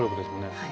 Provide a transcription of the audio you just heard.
はい。